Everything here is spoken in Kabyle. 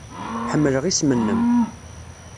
Ḥemmleɣ isem-nnem.